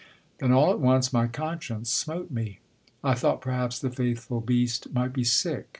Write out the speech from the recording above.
Then all at once my conscience smote me. I thought perhaps the faithful beast might be sick.